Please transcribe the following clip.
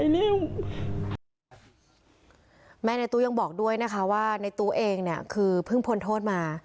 นายตูยังบอกด้วยนะคะว่านายตูเองคือเพิ่งพ้นโทษมา